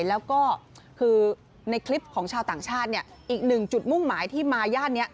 แล้วก็คือในคลิปของชาวต่างชาติเนี่ยอีกหนึ่งจุดมุ่งหมายที่มาย่านนี้